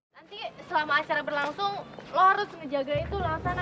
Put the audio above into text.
nanti selama acara berlangsung lo harus ngejaga itu langsana